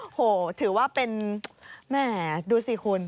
โหถือว่าเป็นแหม่ดูสิคุณ